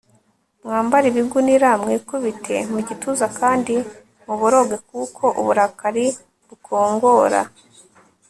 mwambare ibigunira mwikubite mu gituza kandi muboroge kuko uburakari bukongora